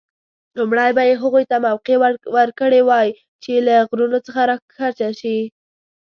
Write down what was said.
لومړی به یې هغوی ته موقع ورکړې وای چې له غرونو څخه راښکته شي.